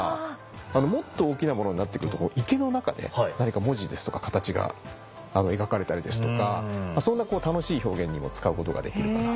もっと大きなものになってくると池の中で文字とか形が描かれたりですとかそんな楽しい表現にも使うことができるかなと。